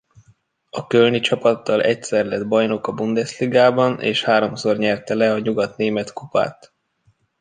A kölni csapattal egyszer lett bajnok a Bundesligában és háromszor nyerte le a nyugatnémet-kupát.